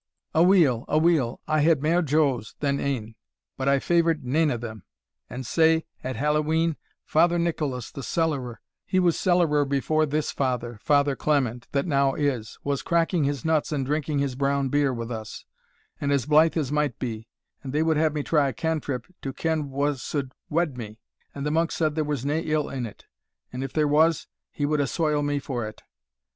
"Aweel, aweel, I had mair joes than ane, but I favoured nane o' them; and sae, at Hallowe'en, Father Nicolas the cellarer he was cellarer before this father, Father Clement, that now is was cracking his nuts and drinking his brown beer with us, and as blithe as might be, and they would have me try a cantrip to ken wha suld wed me: and the monk said there was nae ill in it, and if there was, he would assoil me for it.